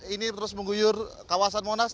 ini terus mengguyur kawasan monas